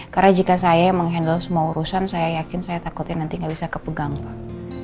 karena jika saya mengendal semua urusan saya yakin saya takutnya nanti gak bisa kepegang pak